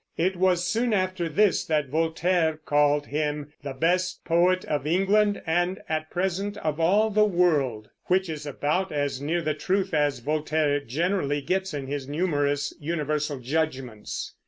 It was soon after this that Voltaire called him "the best poet of England and, at present, of all the world," which is about as near the truth as Voltaire generally gets in his numerous universal judgments.